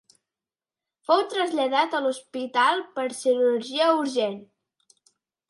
Fou traslladat a l'hospital per cirurgia urgent.